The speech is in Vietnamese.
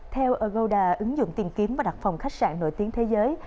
theo agoda ứng dụng tiền kiếm và đặt phòng khách sạn nổi tiếng thế giới